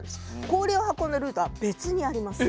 氷を運んだルートは別にあります。